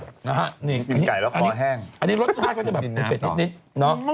กินไก่แล้วคอแห้งอันนี้รสชาติก็จะแบบมีเผ็ดนิด